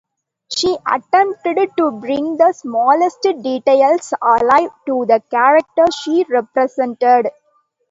She attempted to bring the smallest details alive to the characters she represented.